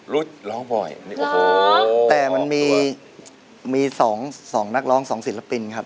ร้องบ่อยโอ้โฮแต่มันมี๒นักร้อง๒ศิลปินครับ